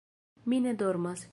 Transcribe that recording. Mi ne dormas.